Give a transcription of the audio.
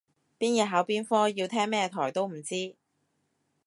邊日考邊科要聽咩台都唔知